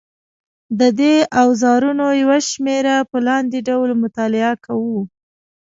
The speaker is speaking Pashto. د دې اوزارونو یوه شمېره په لاندې ډول مطالعه کوو.